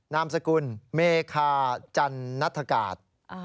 นามสกุลเมคาจันนัฐกาศ